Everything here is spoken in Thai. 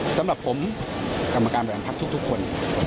สำหรับผมกรรมการบริหารพักทุกคน